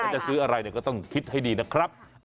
จะซื้ออะไรก็ต้องคิดให้ดีนะครับ